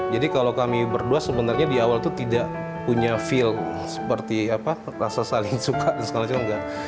jadi kalau kami berdua sebenarnya di awal itu tidak punya feel seperti apa rasa saling suka